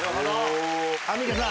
アンミカさん。